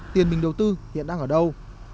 tiền mình đầu tư hiện đang ở đâu